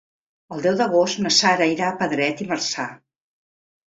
El deu d'agost na Sara irà a Pedret i Marzà.